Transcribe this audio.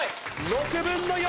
６分の４！